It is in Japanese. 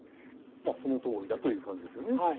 まあそのとおりだという感じですよね。